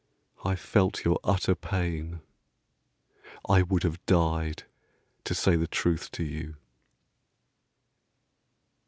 I felt your utter pain. I would have died to say the truth to you.